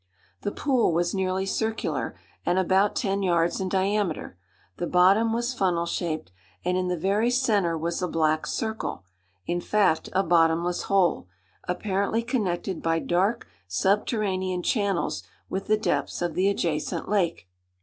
The pool was nearly circular, and about ten yards in diameter. The bottom was funnel shaped, and in the very centre was a black circle—in fact a bottomless hole—apparently connected by dark subterranean channels with the depths of the adjacent lake.